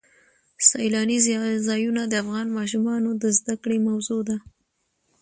سیلانی ځایونه د افغان ماشومانو د زده کړې موضوع ده.